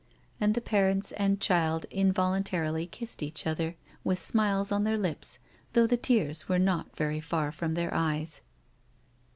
And the parents and child involuntarilv kissed each other, with smiles on their lips, though the tears were not very far from their eyes.